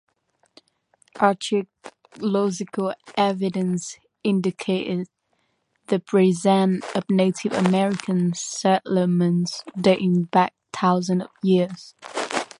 Archaeological evidence indicates the presence of Native American settlements dating back thousands of years.